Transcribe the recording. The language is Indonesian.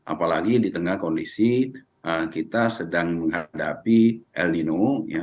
apalagi di tengah kondisi kita sedang menghadapi lno